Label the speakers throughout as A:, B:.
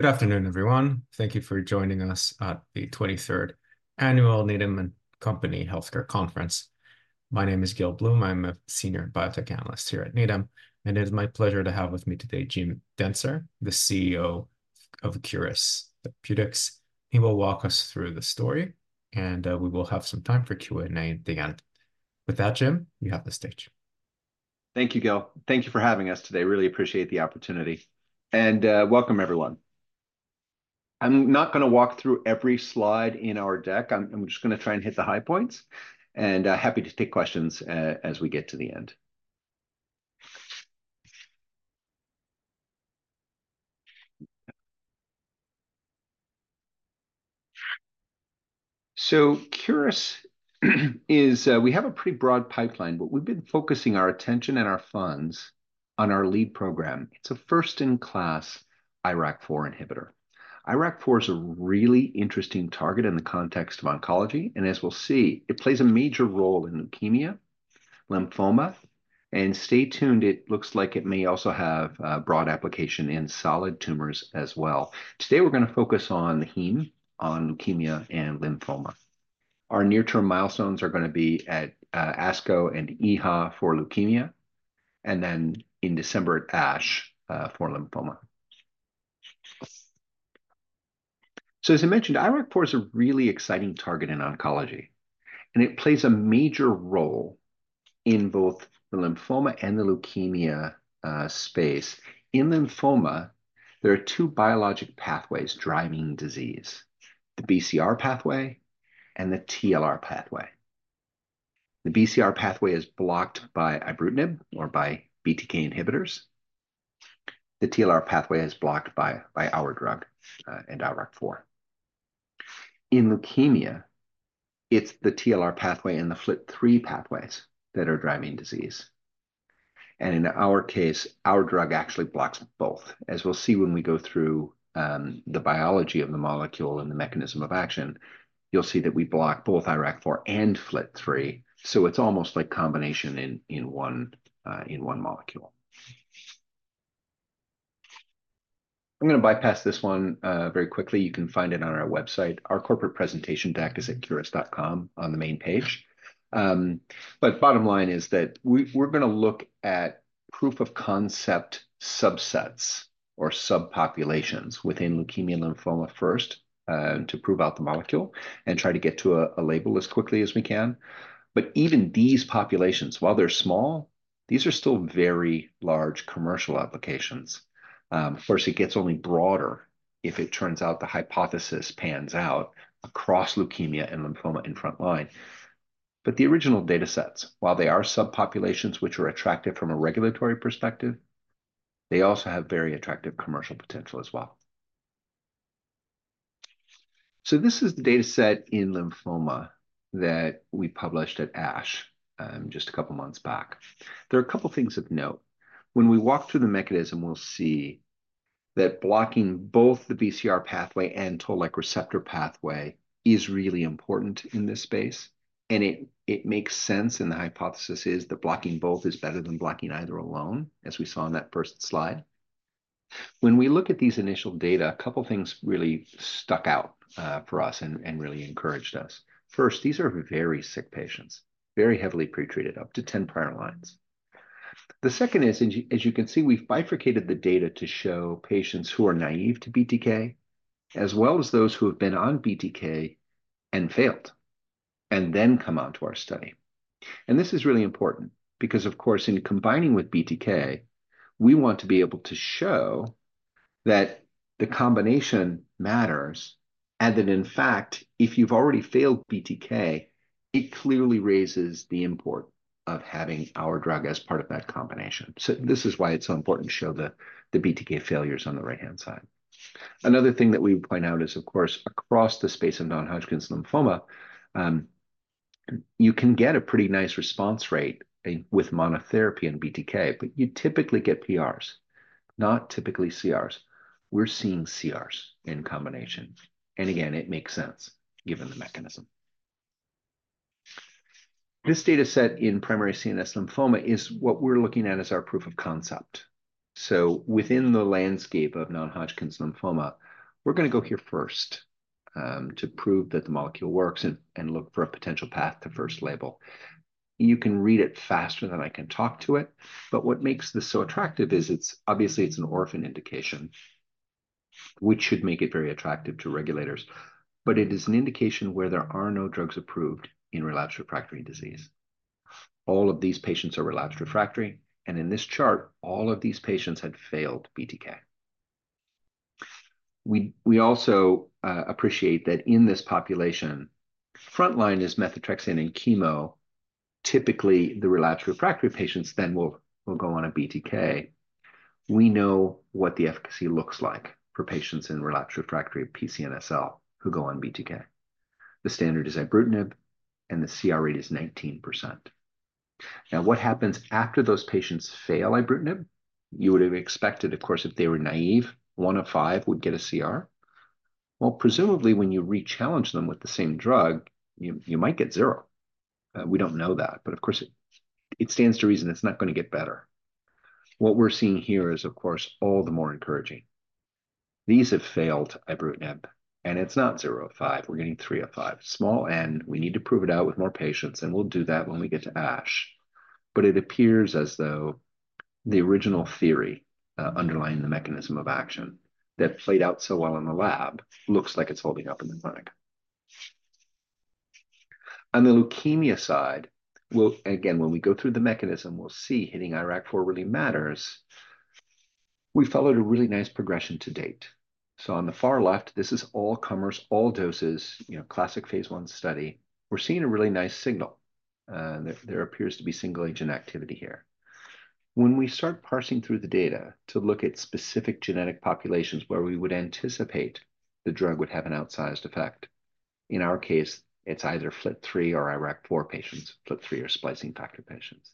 A: Good afternoon, everyone. Thank you for joining us at the 23rd Annual Needham & Company Healthcare Conference. My name is Gil Blum. I'm a Senior Biotech Analyst here at Needham, and it is my pleasure to have with me today Jim Dentzer, the CEO of Curis. He will walk us through the story, and we will have some time for Q&A at the end. With that, Jim, you have the stage.
B: Thank you, Gil. Thank you for having us today. Really appreciate the opportunity. Welcome, everyone. I'm not going to walk through every slide in our deck. I'm just going to try and hit the high points. Happy to take questions as we get to the end. So, Curis, we have a pretty broad pipeline, but we've been focusing our attention and our funds on our lead program. It's a first-in-class IRAK4 inhibitor. IRAK4 is a really interesting target in the context of oncology, and as we'll see, it plays a major role in leukemia, lymphoma. And stay tuned. It looks like it may also have broad application in solid tumors as well. Today we're going to focus on the hem-onc leukemia and lymphoma. Our near-term milestones are going to be at ASCO and EHA for leukemia, and then in December at ASH for lymphoma. So as I mentioned, IRAK4 is a really exciting target in oncology. And it plays a major role in both the lymphoma and the leukemia space. In lymphoma, there are two biologic pathways driving disease: the BCR pathway and the TLR pathway. The BCR pathway is blocked by ibrutinib or by BTK inhibitors. The TLR pathway is blocked by our drug and IRAK4. In leukemia, it's the TLR pathway and the FLT3 pathways that are driving disease. In our case, our drug actually blocks both. As we'll see when we go through the biology of the molecule and the mechanism of action, you'll see that we block both IRAK4 and FLT3. It's almost like combination in one molecule. I'm going to bypass this one very quickly. You can find it on our website. Our corporate presentation deck is at curis.com on the main page. Bottom line is that we're going to look at proof of concept subsets or subpopulations within leukemia and lymphoma first to prove out the molecule and try to get to a label as quickly as we can. But even these populations, while they're small, these are still very large commercial applications. Of course, it gets only broader if it turns out the hypothesis pans out across leukemia and lymphoma in front line. But the original data sets, while they are subpopulations which are attractive from a regulatory perspective, they also have very attractive commercial potential as well. So this is the data set in lymphoma that we published at ASH just a couple of months back. There are a couple of things of note. When we walk through the mechanism, we'll see that blocking both the BCR pathway and Toll-like receptor pathway is really important in this space. And it makes sense, and the hypothesis is that blocking both is better than blocking either alone, as we saw in that first slide. When we look at these initial data, a couple of things really stuck out for us and really encouraged us. First, these are very sick patients, very heavily pretreated, up to 10 prior lines. The second is, as you can see, we've bifurcated the data to show patients who are naive to BTK, as well as those who have been on BTK and failed and then come onto our study. This is really important because, of course, in combining with BTK, we want to be able to show that the combination matters, and that, in fact, if you've already failed BTK, it clearly raises the import of having our drug as part of that combination. This is why it's so important to show the BTK failures on the right-hand side. Another thing that we point out is, of course, across the space of non-Hodgkin's lymphoma, you can get a pretty nice response rate with monotherapy and BTK, but you typically get PRs, not typically CRs. We're seeing CRs in combination. And again, it makes sense, given the mechanism. This data set in primary CNS lymphoma is what we're looking at as our proof of concept. So within the landscape of non-Hodgkin's lymphoma, we're going to go here first to prove that the molecule works and look for a potential path to first label. You can read it faster than I can talk to it. But what makes this so attractive is, obviously, it's an orphan indication, which should make it very attractive to regulators. But it is an indication where there are no drugs approved in relapsed refractory disease. All of these patients are relapsed refractory. In this chart, all of these patients had failed BTK. We also appreciate that in this population, front line is methotrexate and chemo. Typically, the relapsed refractory patients then will go on a BTK. We know what the efficacy looks like for patients in relapsed refractory PCNSL who go on BTK. The standard is ibrutinib, and the CR rate is 19%. Now, what happens after those patients fail ibrutinib? You would have expected, of course, if they were naive, 1 of 5 would get a CR. Well, presumably, when you rechallenge them with the same drug, you might get 0. We don't know that. But of course, it stands to reason it's not going to get better. What we're seeing here is, of course, all the more encouraging. These have failed ibrutinib, and it's not 0 of 5. We're getting 3 of 5, small n. We need to prove it out with more patients, and we'll do that when we get to ASH. But it appears as though the original theory underlying the mechanism of action that played out so well in the lab looks like it's holding up in the clinic. On the leukemia side, again, when we go through the mechanism, we'll see hitting IRAK4 really matters. We followed a really nice progression to date. So on the far left, this is all-comers, all-doses, classic phase 1 study. We're seeing a really nice signal. There appears to be single-agent activity here. When we start parsing through the data to look at specific genetic populations where we would anticipate the drug would have an outsized effect, in our case, it's either FLT3 or IRAK4 patients, FLT3 or splicing factor patients.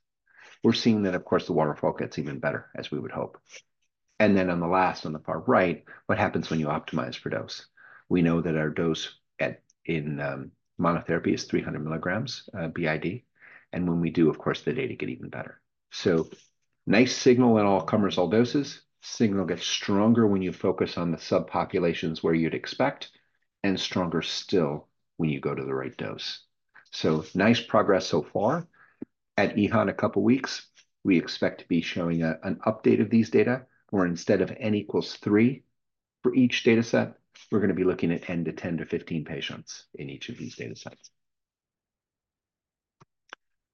B: We're seeing that, of course, the waterfall gets even better, as we would hope. And then on the last, on the far right, what happens when you optimize for dose? We know that our dose in monotherapy is 300 milligrams b.i.d. And when we do, of course, the data get even better. So nice signal in all-comers, all-doses. Signal gets stronger when you focus on the subpopulations where you'd expect, and stronger still when you go to the right dose. So nice progress so far. At EHA in a couple of weeks, we expect to be showing an update of these data where, instead of n equals 3 for each data set, we're going to be looking at n to 10-15 patients in each of these data sets.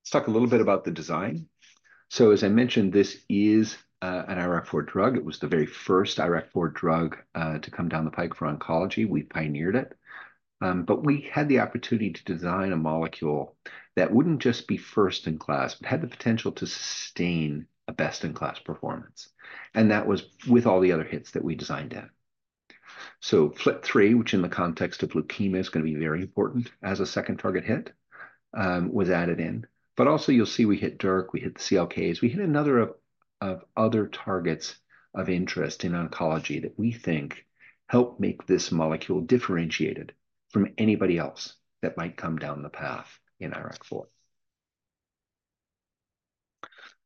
B: Let's talk a little bit about the design. So, as I mentioned, this is an IRAK4 drug. It was the very first IRAK4 drug to come down the pike for oncology. We pioneered it. But we had the opportunity to design a molecule that wouldn't just be first-in-class, but had the potential to sustain a best-in-class performance. That was with all the other hits that we designed in. So FLT3, which in the context of leukemia is going to be very important as a second target hit, was added in. But also, you'll see we hit DYRK. We hit the CLKs. We hit another of other targets of interest in oncology that we think help make this molecule differentiated from anybody else that might come down the path in IRAK4.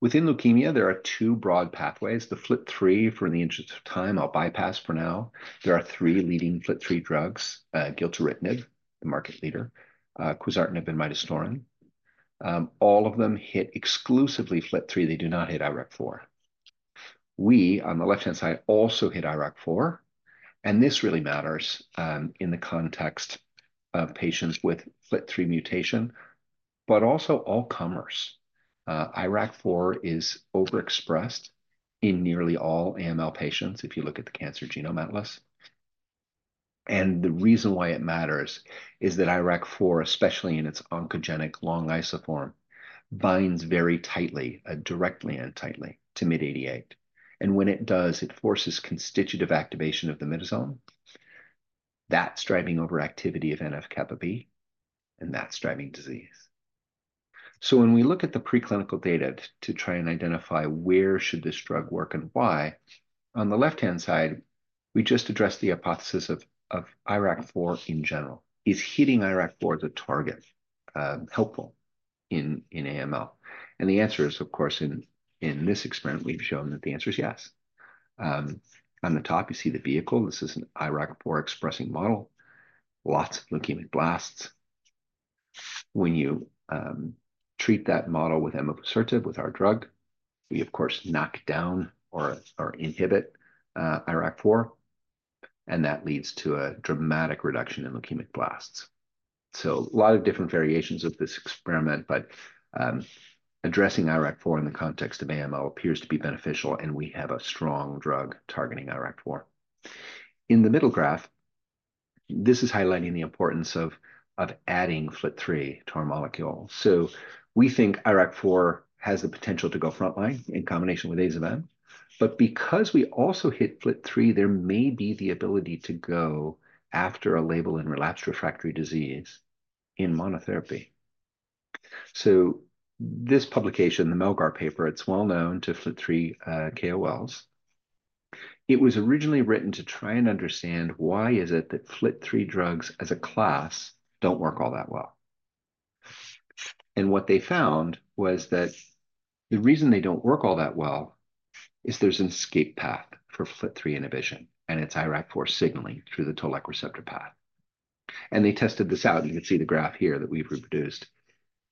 B: Within leukemia, there are two broad pathways. The FLT3, for the interest of time, I'll bypass for now. There are three leading FLT3 drugs: gilteritinib, the market leader, quizartinib, and midostaurin. All of them hit exclusively FLT3. They do not hit IRAK4. We, on the left-hand side, also hit IRAK4. This really matters in the context of patients with FLT3 mutation, but also all-comers. IRAK4 is overexpressed in nearly all AML patients, if you look at The Cancer Genome Atlas. The reason why it matters is that IRAK4, especially in its oncogenic long isoform, binds very tightly, directly and tightly, to MYD88. And when it does, it forces constitutive activation of the myddosome, that driving overactivity of NF-κB, and that drives disease. So when we look at the preclinical data to try and identify where should this drug work and why, on the left-hand side, we just address the hypothesis of IRAK4 in general. Is hitting IRAK4 the target helpful in AML? And the answer is, of course, in this experiment, we've shown that the answer is yes. On the top, you see the vehicle. This is an IRAK4 expressing model. Lots of leukemic blasts. When you treat that model with immunosuppressive with our drug, we, of course, knock down or inhibit IRAK4. And that leads to a dramatic reduction in leukemic blasts. So a lot of different variations of this experiment, but addressing IRAK4 in the context of AML appears to be beneficial, and we have a strong drug targeting IRAK4. In the middle graph, this is highlighting the importance of adding FLT3 to our molecule. So we think IRAK4 has the potential to go front line in combination with Aza-Ven. But because we also hit FLT3, there may be the ability to go after a label in relapsed refractory disease in monotherapy. So this publication, the Melgar paper, it's well known to FLT3 KOLs. It was originally written to try and understand why is it that FLT3 drugs as a class don't work all that well. What they found was that the reason they don't work all that well is there's an escape path for FLT3 inhibition, and it's IRAK4 signaling through the Toll-like receptor path. They tested this out. You can see the graph here that we've reproduced.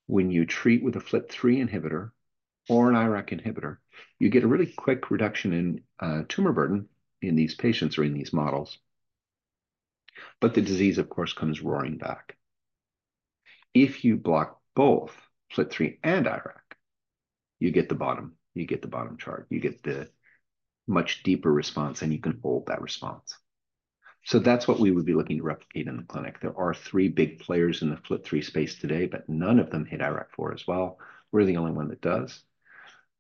B: When you treat with a FLT3 inhibitor or an IRAK inhibitor, you get a really quick reduction in tumor burden in these patients or in these models. But the disease, of course, comes roaring back. If you block both FLT3 and IRAK, you get the bottom. You get the bottom chart. You get the much deeper response, and you can hold that response. That's what we would be looking to replicate in the clinic. There are three big players in the FLT3 space today, but none of them hit IRAK4 as well. We're the only one that does.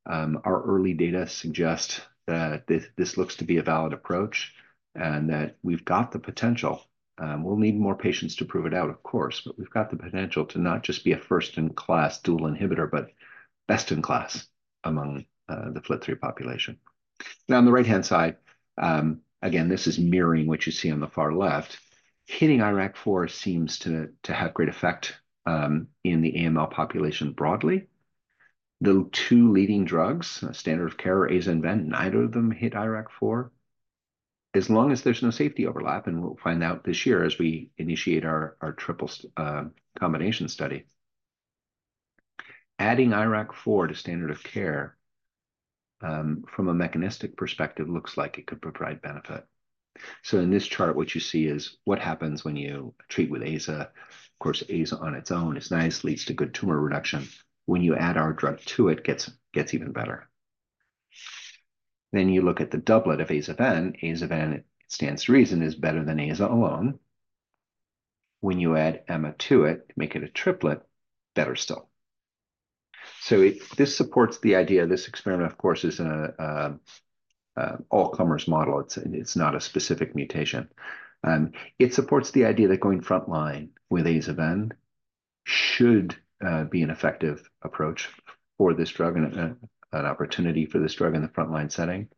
B: Our early data suggest that this looks to be a valid approach and that we've got the potential. We'll need more patients to prove it out, of course, but we've got the potential to not just be a first-in-class dual inhibitor, but best-in-class among the FLT3 population. Now, on the right-hand side, again, this is mirroring what you see on the far left. Hitting IRAK4 seems to have great effect in the AML population broadly. The two leading drugs, standard of care or Ven-Aza, neither of them hit IRAK4. As long as there's no safety overlap, and we'll find out this year as we initiate our triple combination study. Adding IRAK4 to standard of care from a mechanistic perspective looks like it could provide benefit. So in this chart, what you see is what happens when you treat with AZA. Of course, AZA on its own nicely leads to good tumor reduction. When you add our drug to it, it gets even better. Then you look at the doublet of Aza-Ven. Aza-Ven, it stands to reason, is better than AZA alone. When you add Ema to it, make it a triplet, better still. So this supports the idea. This experiment, of course, is an all-comers model. It's not a specific mutation. It supports the idea that going front line with Aza-Ven should be an effective approach for this drug and an opportunity for this drug in the front line setting.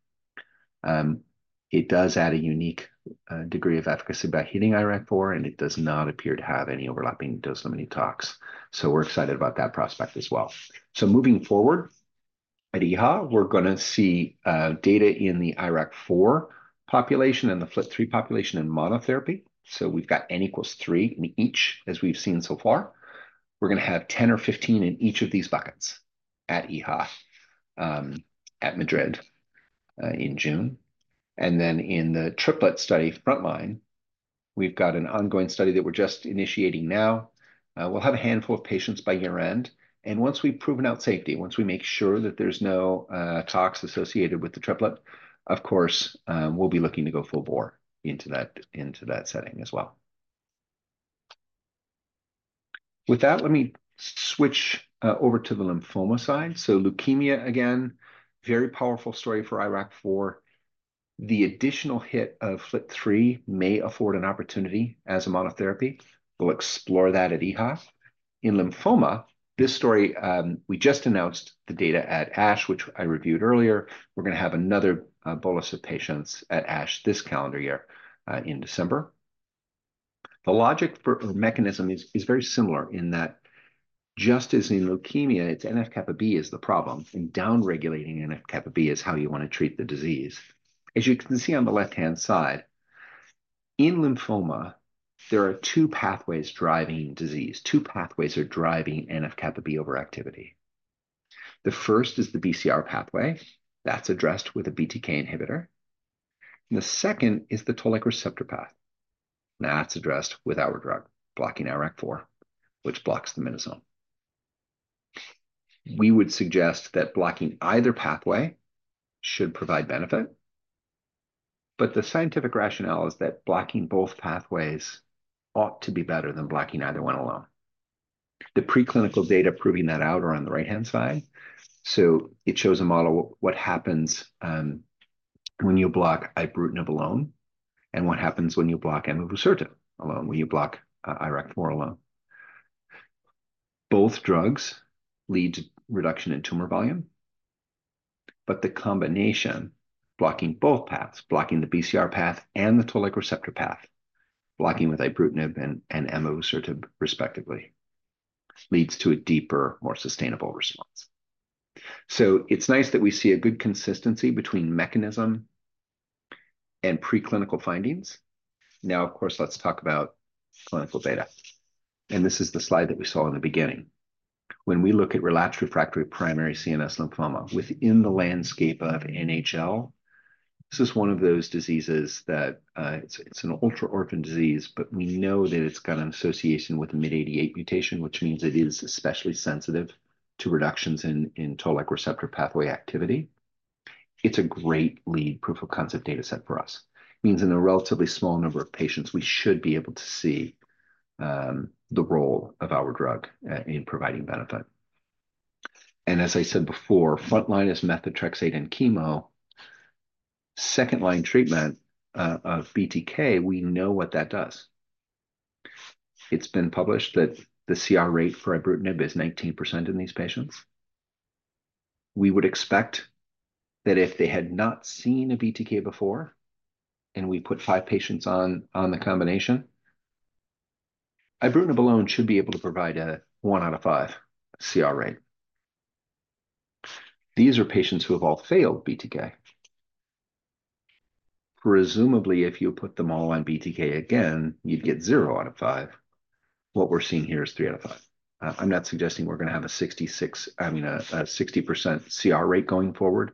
B: It does add a unique degree of efficacy by hitting IRAK4, and it does not appear to have any overlapping dose limiting toxins. So we're excited about that prospect as well. So moving forward at EHA, we're going to see data in the IRAK4 population and the FLT3 population in monotherapy. So we've got n=3 in each, as we've seen so far. We're going to have 10 or 15 in each of these buckets at EHA at Madrid in June. And then in the triplet study front line, we've got an ongoing study that we're just initiating now. We'll have a handful of patients by year-end. And once we've proven out safety, once we make sure that there's no toxins associated with the triplet, of course, we'll be looking to go full bore into that setting as well. With that, let me switch over to the lymphoma side. So leukemia, again, very powerful story for IRAK4. The additional hit of FLT3 may afford an opportunity as a monotherapy. We'll explore that at EHA. In lymphoma, this story, we just announced the data at ASH, which I reviewed earlier. We're going to have another bolus of patients at ASH this calendar year in December. The logic or mechanism is very similar in that, just as in leukemia, it's NF-κB is the problem, and downregulating NF-κB is how you want to treat the disease. As you can see on the left-hand side, in lymphoma, there are two pathways driving disease. Two pathways are driving NF-κB overactivity. The first is the BCR pathway. That's addressed with a BTK inhibitor. The second is the Toll-like receptor path. That's addressed with our drug blocking IRAK4, which blocks the myddosome. We would suggest that blocking either pathway should provide benefit. But the scientific rationale is that blocking both pathways ought to be better than blocking either one alone. The preclinical data proving that out are on the right-hand side. So it shows a model what happens when you block ibrutinib alone and what happens when you block emavusertib alone, when you block IRAK4 alone. Both drugs lead to reduction in tumor volume. But the combination, blocking both paths, blocking the BCR path and the Toll-like receptor path, blocking with ibrutinib and emavusertib, respectively, leads to a deeper, more sustainable response. So it's nice that we see a good consistency between mechanism and preclinical findings. Now, of course, let's talk about clinical data. And this is the slide that we saw in the beginning. When we look at relapsed refractory primary CNS lymphoma within the landscape of NHL, this is one of those diseases that it's an ultra-orphan disease, but we know that it's got an association with a MYD88 mutation, which means it is especially sensitive to reductions in Toll-like receptor pathway activity. It's a great lead proof of concept data set for us. It means in a relatively small number of patients, we should be able to see the role of our drug in providing benefit. And as I said before, front line is methotrexate and chemo. Second line treatment of BTK, we know what that does. It's been published that the CR rate for ibrutinib is 19% in these patients. We would expect that if they had not seen a BTK before and we put 5 patients on the combination, ibrutinib alone should be able to provide a 1 out of 5 CR rate. These are patients who have all failed BTK. Presumably, if you put them all on BTK again, you'd get 0 out of 5. What we're seeing here is 3 out of 5. I'm not suggesting we're going to have a 66, I mean, a 60% CR rate going forward.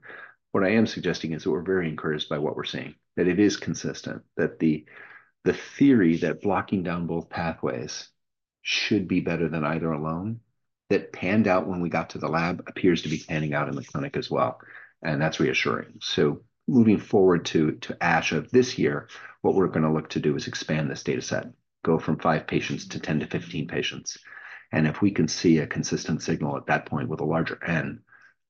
B: What I am suggesting is that we're very encouraged by what we're seeing, that it is consistent, that the theory that blocking down both pathways should be better than either alone, that panned out when we got to the lab appears to be panning out in the clinic as well. And that's reassuring. So moving forward to ASH of this year, what we're going to look to do is expand this data set, go from 5 patients to 10-15 patients. And if we can see a consistent signal at that point with a larger N,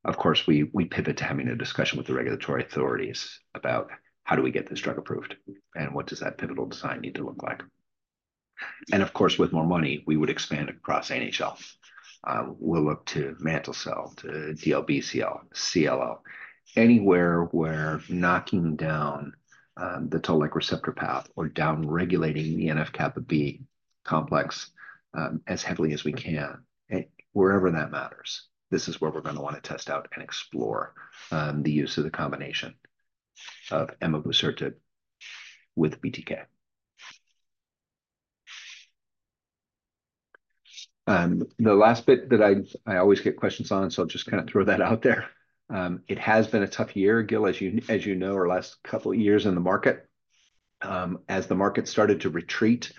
B: of course, we pivot to having a discussion with the regulatory authorities about how do we get this drug approved and what does that pivotal design need to look like. And of course, with more money, we would expand across NHL. We'll look to mantle cell, to DLBCL, CLL, anywhere where knocking down the Toll-like receptor path or downregulating the NF-kappaB complex as heavily as we can, wherever that matters, this is where we're going to want to test out and explore the use of the combination of immunosuppressive with BTK. The last bit that I always get questions on, so I'll just kind of throw that out there. It has been a tough year, Gil, as you know, or last couple of years in the market. As the market started to retreat,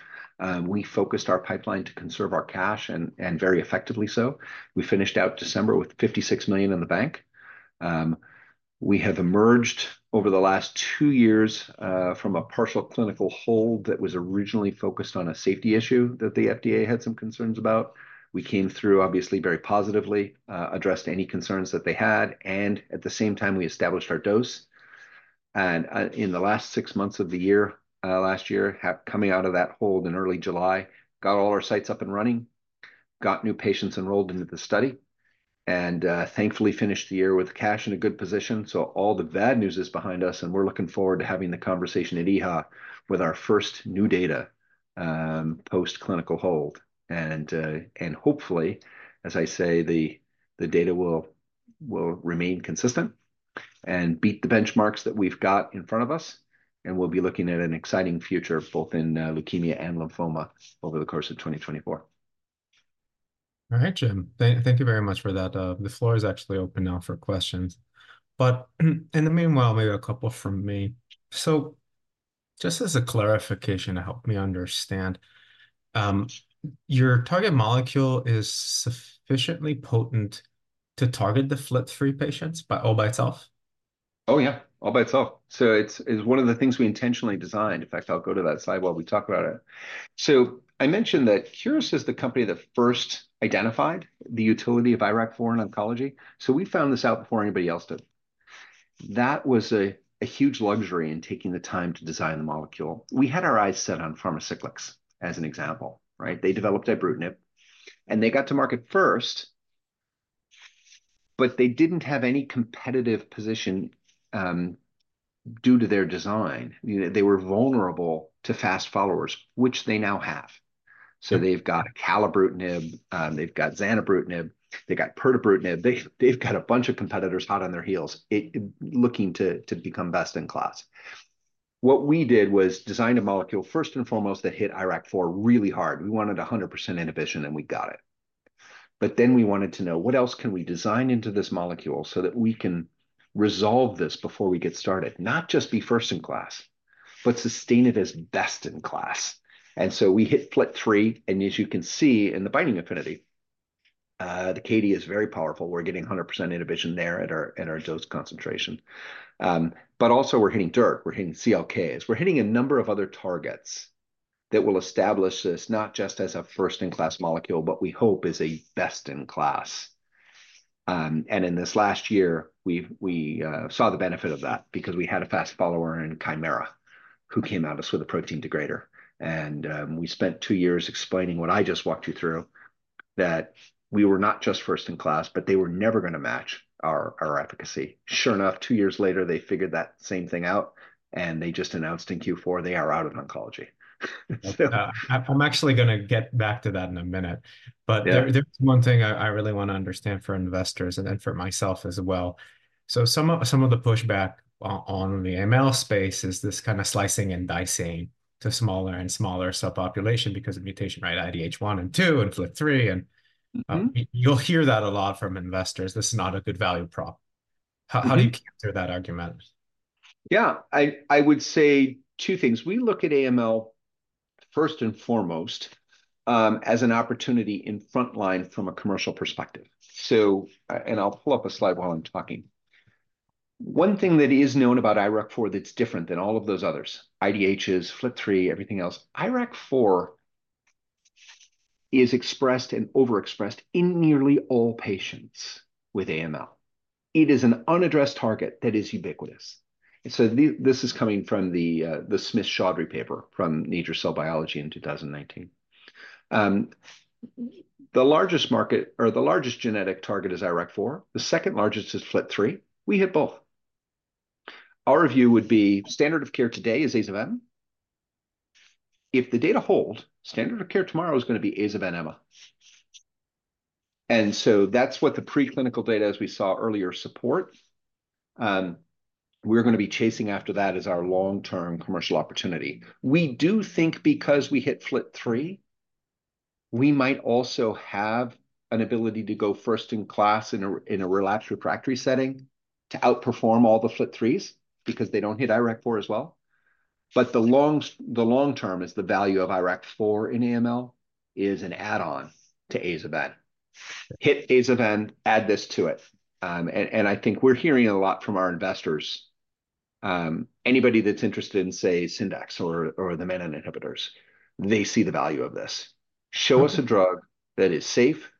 B: we focused our pipeline to conserve our cash and very effectively so. We finished out December with $56 million in the bank. We have emerged over the last 2 years from a partial clinical hold that was originally focused on a safety issue that the FDA had some concerns about. We came through, obviously, very positively, addressed any concerns that they had, and at the same time, we established our dose. In the last 6 months of the year last year, coming out of that hold in early July, got all our sites up and running, got new patients enrolled into the study, and thankfully finished the year with cash in a good position. All the bad news is behind us, and we're looking forward to having the conversation at EHA with our first new data post-clinical hold. Hopefully, as I say, the data will remain consistent and beat the benchmarks that we've got in front of us. We'll be looking at an exciting future both in leukemia and lymphoma over the course of 2024.
A: All right, Jim. Thank you very much for that. The floor is actually open now for questions. But in the meanwhile, maybe a couple from me. Just as a clarification to help me understand, your target molecule is sufficiently potent to target the FLT3 patients all by itself?
B: Oh, yeah. All by itself. So it's one of the things we intentionally designed. In fact, I'll go to that slide while we talk about it. So I mentioned that Curis is the company that first identified the utility of IRAK4 in oncology. So we found this out before anybody else did. That was a huge luxury in taking the time to design the molecule. We had our eyes set on Pharmacyclics as an example, right? They developed ibrutinib. And they got to market first. But they didn't have any competitive position due to their design. They were vulnerable to fast followers, which they now have. So they've got acalabrutinib. They've got zanubrutinib. They've got pirtobrutinib. They've got a bunch of competitors hot on their heels looking to become best-in-class. What we did was design a molecule, first and foremost, that hit IRAK4 really hard. We wanted 100% inhibition, and we got it. But then we wanted to know, what else can we design into this molecule so that we can resolve this before we get started, not just be first-in-class, but sustain it as best-in-class? And so we hit FLT3. And as you can see in the binding affinity, the CA-4948 is very powerful. We're getting 100% inhibition there at our dose concentration. But also, we're hitting DYRK. We're hitting CLKs. We're hitting a number of other targets that will establish this not just as a first-in-class molecule, but we hope is a best-in-class. And in this last year, we saw the benefit of that because we had a fast follower in Kymera who came out of us with a protein degrader. We spent 2 years explaining what I just walked you through, that we were not just first-in-class, but they were never going to match our efficacy. Sure enough, 2 years later, they figured that same thing out, and they just announced in Q4 they are out of oncology.
A: I'm actually going to get back to that in a minute. But there's one thing I really want to understand for investors and then for myself as well. So some of the pushback on the AML space is this kind of slicing and dicing to smaller and smaller subpopulation because of mutation rate IDH1 and 2 and FLT3. And you'll hear that a lot from investors. This is not a good value prop. How do you counter that argument?
B: Yeah. I would say two things. We look at AML, first and foremost, as an opportunity in front line from a commercial perspective. I'll pull up a slide while I'm talking. One thing that is known about IRAK4 that's different than all of those others, IDHs, FLT3, everything else, IRAK4 is expressed and overexpressed in nearly all patients with AML. It is an unaddressed target that is ubiquitous. This is coming from the Smith-Choudhary paper from Nature Cell Biology in 2019. The largest market or the largest genetic target is IRAK4. The second largest is FLT3. We hit both. Our view would be standard of care today is Aza-Ven. If the data hold, standard of care tomorrow is going to be Aza-Ven-Ema. That's what the preclinical data, as we saw earlier, support. We're going to be chasing after that as our long-term commercial opportunity. We do think because we hit FLT3, we might also have an ability to go first-in-class in a relapsed refractory setting to outperform all the FLT3s because they don't hit IRAK4 as well. But the long term is the value of IRAK4 in AML is an add-on to Aza-Ven. Hit Aza-Ven, add this to it. And I think we're hearing a lot from our investors, anybody that's interested in, say, Syndax or the menin inhibitors, they see the value of this. Show us a drug that is safe,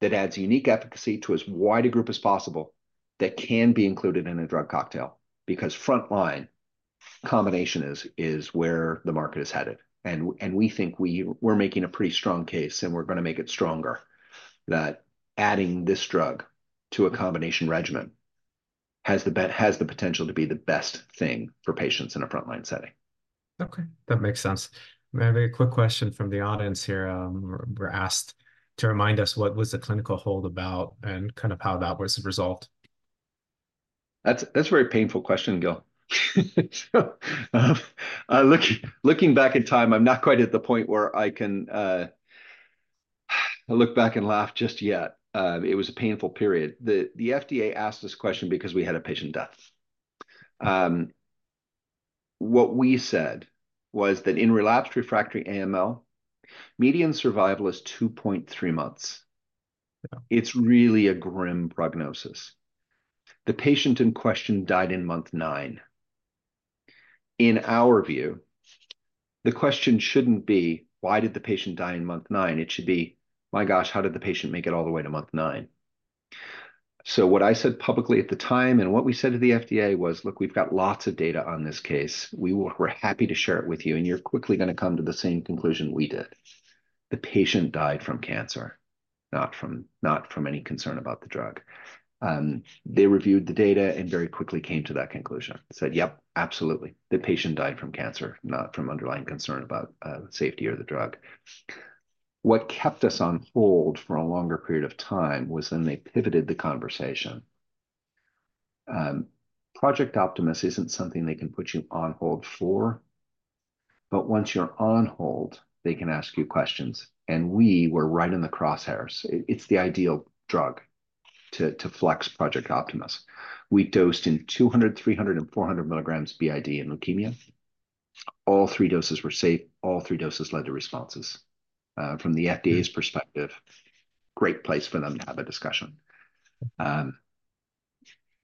B: that adds unique efficacy to as wide a group as possible, that can be included in a drug cocktail because front line combination is where the market is headed. We think we're making a pretty strong case, and we're going to make it stronger, that adding this drug to a combination regimen has the potential to be the best thing for patients in a front line setting.
A: Okay. That makes sense. May I have a quick question from the audience here? We're asked to remind us what was the clinical hold about and kind of how that was the result.
B: That's a very painful question, Gil. Looking back in time, I'm not quite at the point where I can look back and laugh just yet. It was a painful period. The FDA asked this question because we had a patient death. What we said was that in relapsed refractory AML, median survival is 2.3 months. It's really a grim prognosis. The patient in question died in month 9. In our view, the question shouldn't be, "Why did the patient die in month 9?" It should be, "My gosh, how did the patient make it all the way to month 9?" So what I said publicly at the time and what we said to the FDA was, "Look, we've got lots of data on this case. We're happy to share it with you." And you're quickly going to come to the same conclusion we did. The patient died from cancer, not from any concern about the drug. They reviewed the data and very quickly came to that conclusion. Said, "Yep, absolutely. The patient died from cancer, not from underlying concern about safety or the drug." What kept us on hold for a longer period of time was when they pivoted the conversation. Project Optimus isn't something they can put you on hold for. But once you're on hold, they can ask you questions. And we were right in the crosshairs. It's the ideal drug to flex Project Optimus. We dosed in 200, 300, and 400 milligrams b.i.d. in leukemia. All three doses were safe. All three doses led to responses. From the FDA's perspective, great place for them to have a discussion.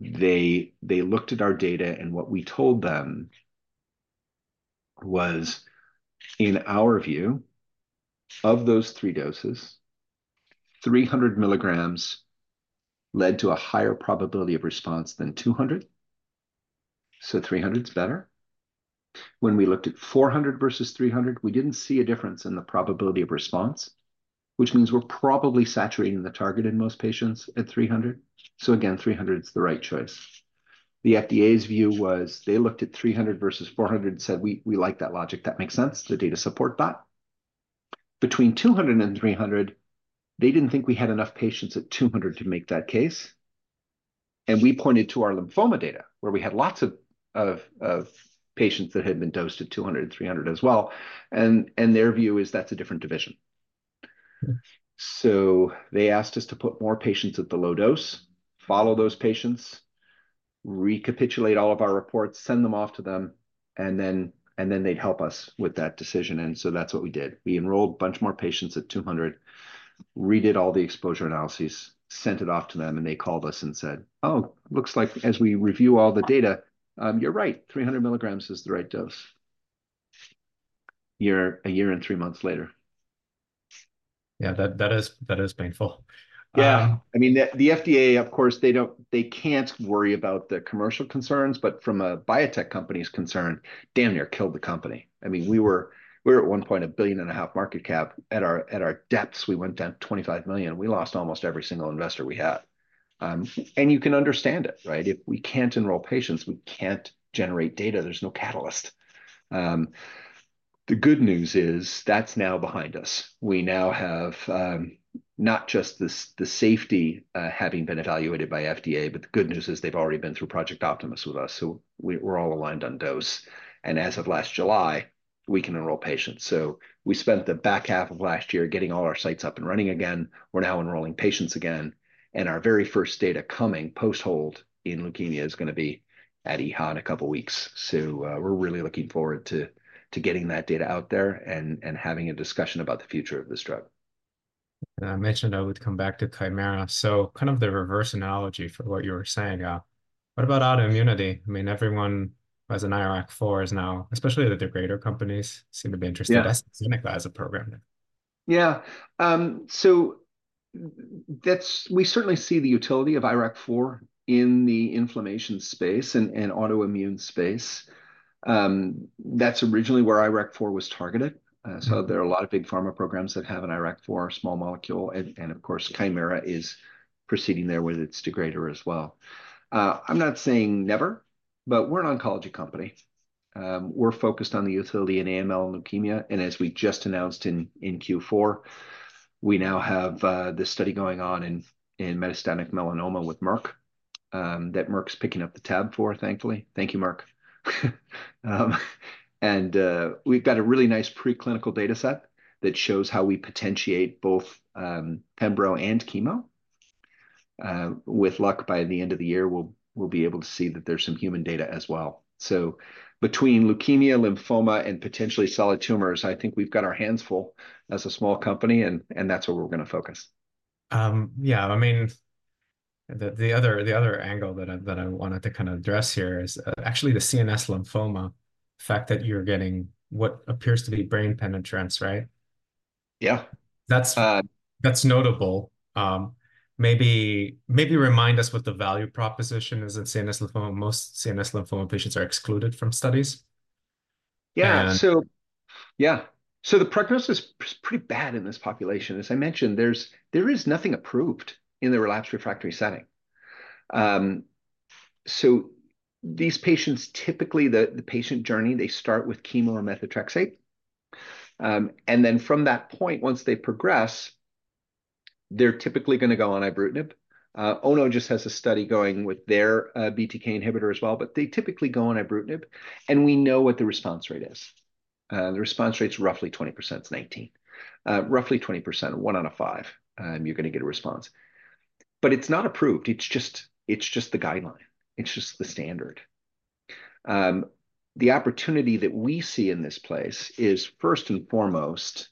B: They looked at our data, and what we told them was, in our view, of those 3 doses, 300 milligrams led to a higher probability of response than 200. So 300's better. When we looked at 400 versus 300, we didn't see a difference in the probability of response, which means we're probably saturating the target in most patients at 300. So again, 300's the right choice. The FDA's view was they looked at 300 versus 400 and said, "We like that logic. That makes sense. The data support that." Between 200 and 300, they didn't think we had enough patients at 200 to make that case. And we pointed to our lymphoma data where we had lots of patients that had been dosed at 200 and 300 as well. And their view is that's a different division. So they asked us to put more patients at the low dose, follow those patients, recapitulate all of our reports, send them off to them, and then they'd help us with that decision. And so that's what we did. We enrolled a bunch more patients at 200, redid all the exposure analyses, sent it off to them, and they called us and said, "Oh, looks like as we review all the data, you're right. 300 milligrams is the right dose." A year and three months later.
A: Yeah. That is painful.
B: Yeah. I mean, the FDA, of course, they can't worry about the commercial concerns. But from a biotech company's concern, damn near killed the company. I mean, we were at one point a $1.5 billion market cap. At our depths, we went down $25 million. We lost almost every single investor we had. And you can understand it, right? If we can't enroll patients, we can't generate data. There's no catalyst. The good news is that's now behind us. We now have not just the safety having been evaluated by FDA, but the good news is they've already been through Project Optimus with us. So we're all aligned on dose. And as of last July, we can enroll patients. So we spent the back half of last year getting all our sites up and running again. We're now enrolling patients again. Our very first data coming post-hold in leukemia is going to be at EHA in a couple of weeks. We're really looking forward to getting that data out there and having a discussion about the future of this drug.
A: I mentioned I would come back to Kymera. So kind of the reverse analogy for what you were saying. What about autoimmunity? I mean, everyone who has an IRAK4 is now, especially the degrader companies, seem to be interested as a program now.
B: Yeah. So we certainly see the utility of IRAK4 in the inflammation space and autoimmune space. That's originally where IRAK4 was targeted. So there are a lot of big pharma programs that have an IRAK4 small molecule. And of course, Kymera is proceeding there with its degrader as well. I'm not saying never, but we're an oncology company. We're focused on the utility in AML and leukemia. And as we just announced in Q4, we now have this study going on in metastatic melanoma with Merck that Merck's picking up the tab for, thankfully. Thank you, Merck. And we've got a really nice preclinical data set that shows how we potentiate both pembro and chemo. With luck, by the end of the year, we'll be able to see that there's some human data as well. Between leukemia, lymphoma, and potentially solid tumors, I think we've got our hands full as a small company, and that's where we're going to focus.
A: Yeah. I mean, the other angle that I wanted to kind of address here is actually the CNS lymphoma, the fact that you're getting what appears to be brain penetrance, right?
B: Yeah.
A: That's notable. Maybe remind us what the value proposition is in CNS lymphoma. Most CNS lymphoma patients are excluded from studies.
B: Yeah. So the prognosis is pretty bad in this population. As I mentioned, there is nothing approved in the relapsed refractory setting. So these patients, typically, the patient journey, they start with chemo or methotrexate. And then from that point, once they progress, they're typically going to go on ibrutinib. ONO just has a study going with their BTK inhibitor as well. But they typically go on ibrutinib. And we know what the response rate is. The response rate's roughly 20%. It's 19%. Roughly 20%, 1 out of 5, you're going to get a response. But it's not approved. It's just the guideline. It's just the standard. The opportunity that we see in this space is, first and foremost,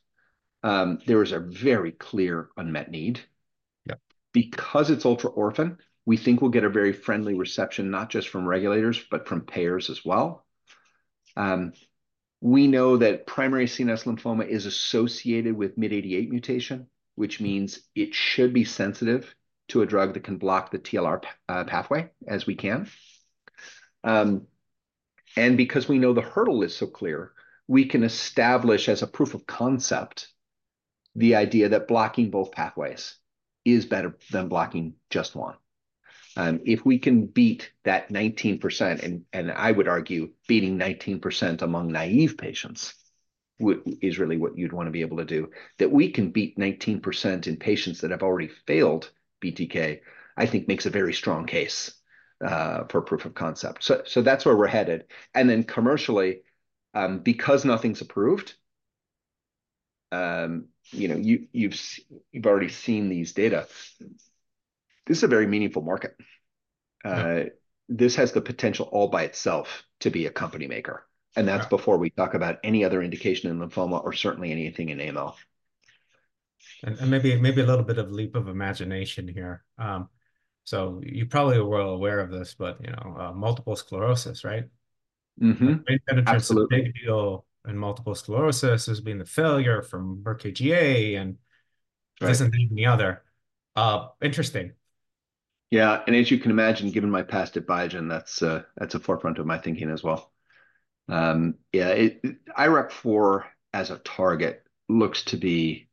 B: there is a very clear unmet need. Because it's ultra-orphan, we think we'll get a very friendly reception, not just from regulators, but from payers as well. We know that Primary CNS Lymphoma is associated with MYD88 mutation, which means it should be sensitive to a drug that can block the TLR pathway as we can. And because we know the hurdle is so clear, we can establish as a proof of concept the idea that blocking both pathways is better than blocking just one. If we can beat that 19%, and I would argue beating 19% among naive patients is really what you'd want to be able to do, that we can beat 19% in patients that have already failed BTK, I think makes a very strong case for proof of concept. So that's where we're headed. And then commercially, because nothing's approved, you've already seen these data, this is a very meaningful market. This has the potential all by itself to be a company maker. That's before we talk about any other indication in lymphoma or certainly anything in AML.
A: Maybe a little bit of leap of imagination here. You probably are well aware of this, but multiple sclerosis, right? Brain penetrance and multiple sclerosis as being the failure from Merck KGaA and doesn't name any other. Interesting.
B: Yeah. And as you can imagine, given my past advisory, that's a forefront of my thinking as well. Yeah. IRAK4 as a target looks to be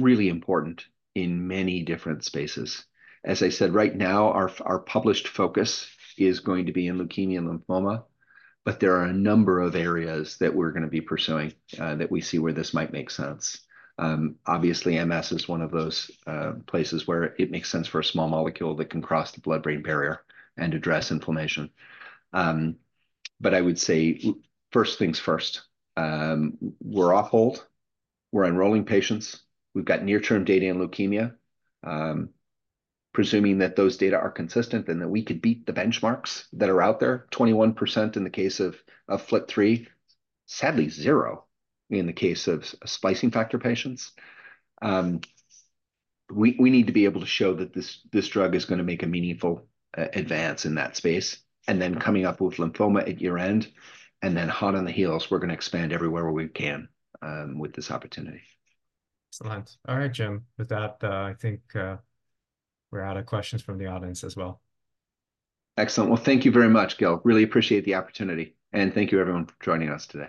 B: really important in many different spaces. As I said, right now, our published focus is going to be in leukemia and lymphoma. But there are a number of areas that we're going to be pursuing that we see where this might make sense. Obviously, MS is one of those places where it makes sense for a small molecule that can cross the blood-brain barrier and address inflammation. But I would say first things first. We're off hold. We're enrolling patients. We've got near-term data in leukemia. Presuming that those data are consistent and that we could beat the benchmarks that are out there, 21% in the case of FLT3, sadly, 0 in the case of splicing factor patients. We need to be able to show that this drug is going to make a meaningful advance in that space. And then coming up with lymphoma at year-end and then hot on the heels, we're going to expand everywhere where we can with this opportunity.
A: Excellent. All right, Jim. With that, I think we're out of questions from the audience as well.
B: Excellent. Well, thank you very much, Gil. Really appreciate the opportunity. Thank you, everyone, for joining us today.